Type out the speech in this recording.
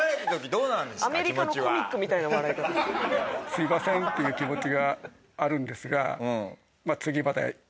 すいませんっていう気持ちはあるんですが。